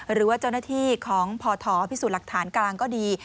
หรือว่าเจ้าหน้าที่ของพทพิสูจน์หลักฐานกลางก็ดี